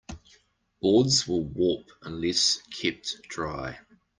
Boards will warp unless kept dry.